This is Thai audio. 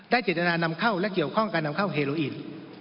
เจตนานำเข้าและเกี่ยวข้องการนำเข้าเฮโลอิน